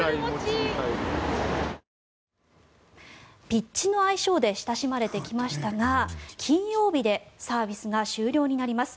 ピッチの愛称で親しまれてきましたが金曜日でサービスが終了になります。